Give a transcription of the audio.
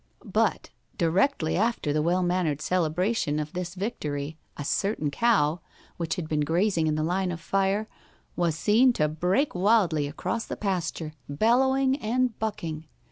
But directly after the well mannered celebration of this victory a certain cow, which had been grazing in the line of fire, was seen to break wildly across the pasture, bellowing and bucking.